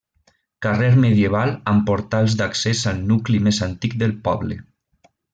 Carrer medieval amb portals d'accés al nucli més antic del poble.